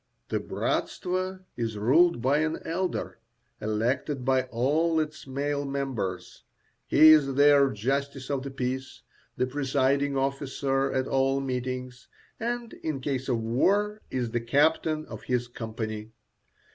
The bratstvo is ruled by an elder, elected by all its male members. He is their justice of the peace, the presiding officer at all meetings, and in case of war is the captain of his company.